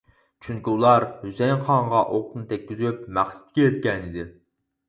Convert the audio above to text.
چۈنكى ئۇلار ھۈسەيىن خانغا ئوقنى تەگكۈزۈپ مەقسىتىگە يەتكەنىدى.